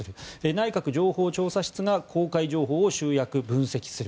内閣情報調査室が公開情報を集約・分析する。